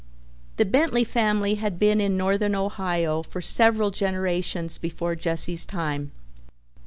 The Bentley family had been in Northern Ohio for several generations before Jesse's time.